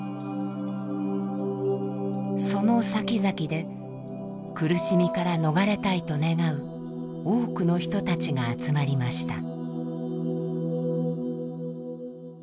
そのさきざきで苦しみから逃れたいと願う多くの人たちが集まりました。